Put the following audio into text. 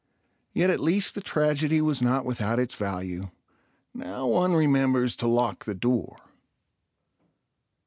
Yet at least the tragedy was not without its value. Now one remembers to lock the door.